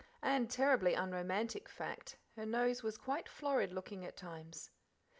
And terribly unromantic fact, her nose was quite florid looking at times.